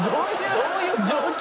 どういう状況？